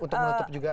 untuk menutup juga